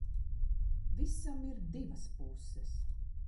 Visam ir divas puses.